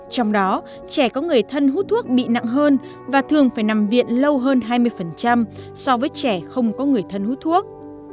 trong đó trẻ có người thân hút thuốc bị nặng hơn và thường phải nằm viện lâu hơn hai mươi so với trẻ không có người thân hút thuốc